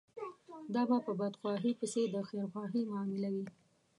دا به په بدخواهي پسې د خيرخواهي معامله وي.